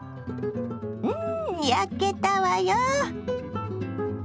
うん焼けたわよ！